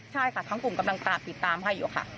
ใช่ค่ะทั้งกลุ่มกำลังตามติดตามให้อยู่ค่ะ